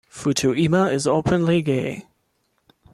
Futuyma is openly gay.